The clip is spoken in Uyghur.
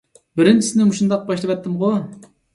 بىرىنچىسىنى مۇشۇنداق باشلىۋەتتىمغۇ!